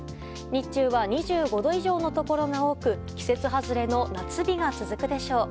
日中は２５度以上のところが多く季節外れの夏日が続くでしょう。